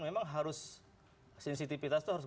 memang harus sensitivitas itu harus